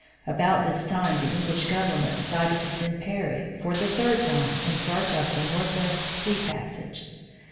About this time the English government decided to send Parry, for the third time, in search of the northwest sea passage.